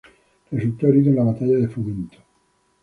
Resultó herido en la batalla de Fomento.